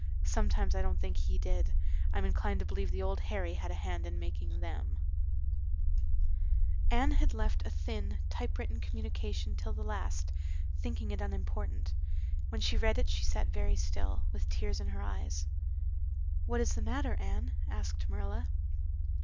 Sometimes I don't think He did. I'm inclined to believe the Old Harry had a hand in making them." Anne had left a thin, typewritten communication till the last, thinking it unimportant. When she had read it she sat very still, with tears in her eyes. "What is the matter, Anne?" asked Marilla.